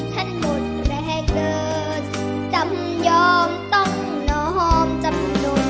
ฉันหมดแรงเกินจำยอมต้องน้อมจำนวน